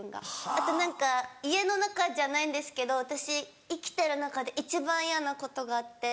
あと何か家の中じゃないんですけど私生きてる中で一番嫌なことがあって。